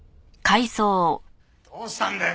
どうしたんだよ